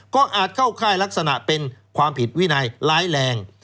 ก็อาจเข้าค่ายลักษณะเป็นความผิดวินัยร้ายแรง